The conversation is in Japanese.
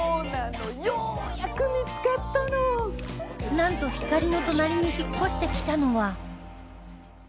なんとひかりの隣に引っ越してきたのは